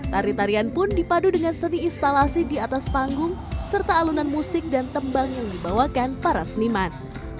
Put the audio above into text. tari tarian pun dipadu dengan seni instalasi di atas panggung serta alunan musik dan tembang yang dibawakan para seniman